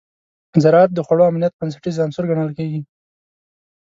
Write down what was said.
زراعت د خوړو امنیت بنسټیز عنصر ګڼل کېږي.